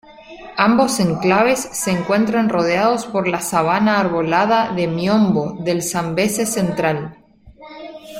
Ambos enclaves se encuentran rodeados por la sabana arbolada de miombo del Zambeze central.